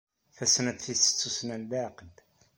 Tasnafsit d tussna n leɛqel.